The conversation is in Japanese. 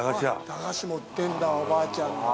駄菓子も売ってんだ、おばあちゃんが。